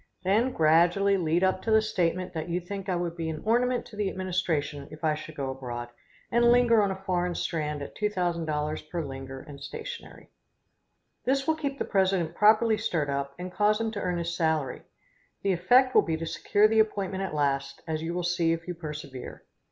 Then gradually lead up to the statement that you think I would be an ornament to the administration if I should go abroad and linger on a foreign strand at $2,000 per linger and stationery. This will keep the president properly stirred up, and cause him to earn his salary. The effect will be to secure the appointment at last, as you will see if you persevere.